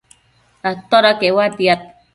atoda queuatiad?